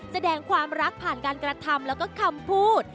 แสดงความรักผ่านการกระทำแล้วก็คำพูด